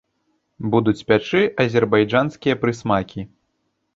Будуць пячы азербайджанскія прысмакі.